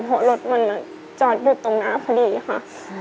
เพราะรถมันจอดอยู่ตรงหน้าพอดีค่ะ